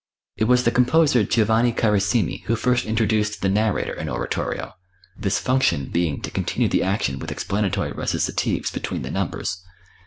It was the composer, Giovanni Carissimi, who first introduced the narrator in oratorio, this function being to continue the action with explanatory recitatives between the numbers.